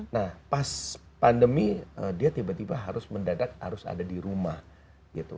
nah pas pandemi dia tiba tiba harus mendadak harus ada di rumah gitu